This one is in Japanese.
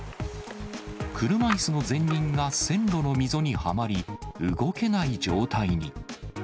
車いすの前輪が線路の溝にはまり、動けない状態に。